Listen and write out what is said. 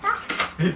えっ？